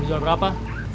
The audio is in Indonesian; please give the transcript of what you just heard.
mau jual berapa